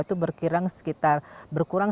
itu berkira sekitar berkurang